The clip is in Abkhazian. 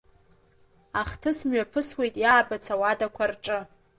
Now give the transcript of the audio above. Ахҭыс мҩаԥысуеит иаабац ауадақәа рҿы.